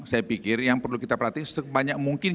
saya pikir yang perlu kita perhatikan sebanyak mungkin